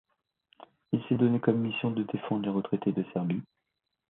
Il s'est donné comme mission de défendre les retraités de Serbie.